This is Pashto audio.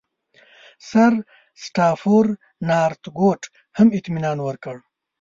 سرسټافورنارتکوټ هم اطمینان ورکړ.